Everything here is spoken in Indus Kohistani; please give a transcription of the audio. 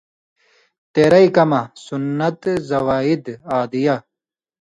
تېرئ کمہۡ (سنت زوائد/ عادیہ):